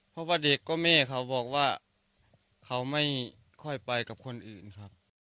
เพราะว่าเด็กก็แม่เขาบอกว่าเขาไม่ค่อยไปกับคนอื่นครับ